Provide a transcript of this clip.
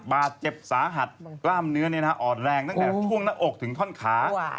บาดเจ็บสาหัสกล้ามเนื้ออ่อนแรงตั้งแต่ช่วงหน้าอกถึงท่อนขา